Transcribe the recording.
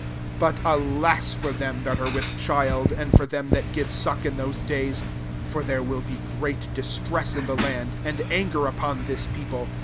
£3 But alas for them that are with child, and for them that give suck in those days! for there will be great distress in the land, and anger upon this people.